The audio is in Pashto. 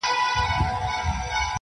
زه د تورسترگو سره دغسي سپين سترگی يمه.